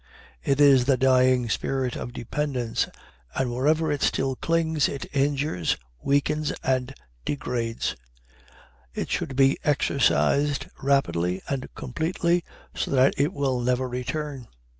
It is the dying spirit of dependence, and wherever it still clings it injures, weakens, and degrades. It should be exorcised rapidly and completely, so that it will never return.